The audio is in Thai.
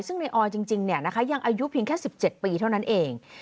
ซึ่งในออยจริงยังอายุเพียงแค่๑๗ปีเท่านั้นเอง